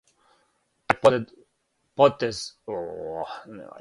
Тај потез услиједио је као шок.